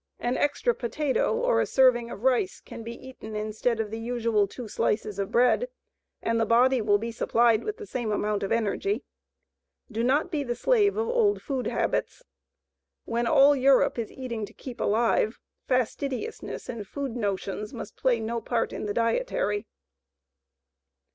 An extra potato or a serving of rice can be eaten instead of the usual two slices of bread and the body will be supplied with the same amount of energy. Do not be the slave of old food habits. WHEN ALL EUROPE IS EATING TO KEEP ALIVE, FASTIDIOUSNESS AND FOOD "NOTIONS" MUST PLAY NO PART IN THE DIETARY.